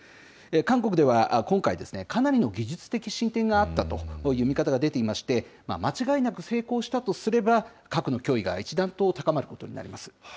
韓国では今回、かなりの技術的進展があったという見方が出ていまして、間違いなく成功したとすれば、核の脅威が一段と高まることになります。